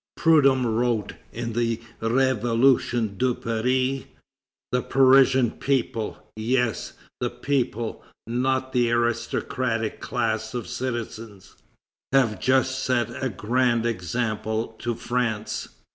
Prudhomme wrote in the Révolutions de Paris: "The Parisian people yes, the people, not the aristocratic class of citizens have just set a grand example to France.